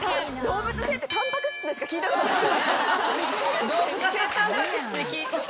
動物性タンパク質しか聞いたことない。